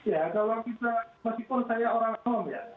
ya kalau kita meskipun saya orang awam ya